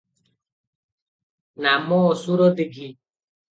ନାମ ଅସୁର ଦୀଘି ।